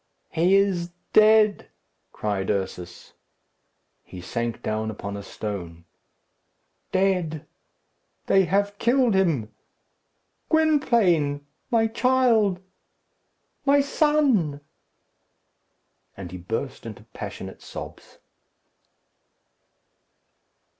"He is dead!" cried Ursus. He sank down upon a stone. "Dead! They have killed him! Gwynplaine! My child! My son!" And he burst into passionate sobs.